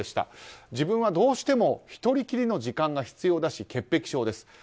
自分はどうしても１人きりの時間が必要ですし潔癖症です。